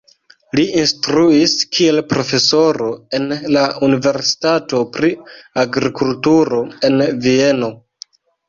Li instruis kiel profesoro en la Universitato pri agrikulturo en Vieno.